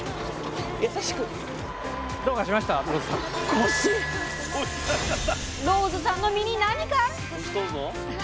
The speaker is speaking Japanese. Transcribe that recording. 今ローズさんの身に何が？